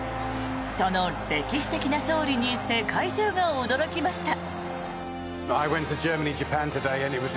その歴史的な勝利に世界中が驚きました。